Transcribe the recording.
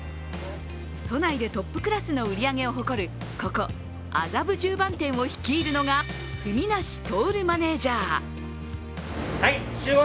都内でトップクラスの売り上げを誇る、ここ麻布十番店を率いるのが文梨徹マネージャー。